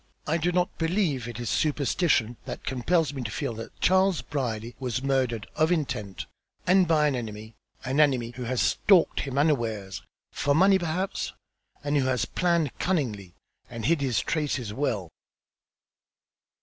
I do not believe it is superstition that compels me to feel that Charles Brierly was murdered of intent, and by an enemy, an enemy who has stalked him unawares, for money perhaps, and who has planned cunningly, and hid his traces well."